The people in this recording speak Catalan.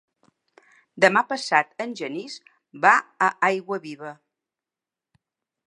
Demà passat en Genís va a Aiguaviva.